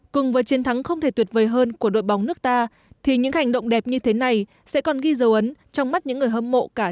cùng với chiến thắng không thể tuyệt vời hơn của đội bóng nước ta thì những hành động đẹp như thế này sẽ còn ghi dấu ấn trong mắt những người hâm mộ cả nước